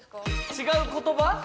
違う言葉？